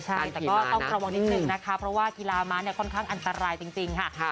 ใช่แต่ก็ต้องระวังนิดนึงนะคะเพราะว่ากีฬาม้าเนี่ยค่อนข้างอันตรายจริงค่ะ